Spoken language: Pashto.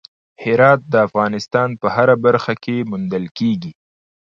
هرات د افغانستان په هره برخه کې موندل کېږي.